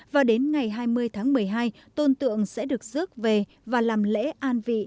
và đến ngày hai mươi tháng một mươi hai tôn tượng sẽ được rước về và làm lễ an vị